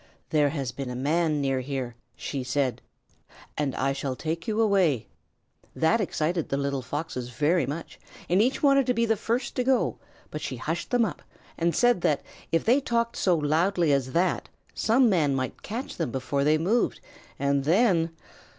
"There has been a man near here," she said, "and I shall take you away." That excited the little Foxes very much, and each wanted to be the first to go, but she hushed them up, and said that if they talked so loudly as that some man might catch them before they moved, and then